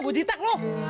gua citak lu